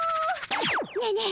ねえねえ